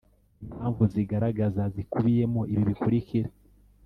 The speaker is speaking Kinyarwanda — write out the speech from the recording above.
Impamvu zigaragaza zikubiyemo ibi bikurikira